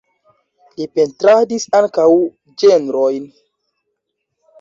Li pentradis ankaŭ ĝenrojn.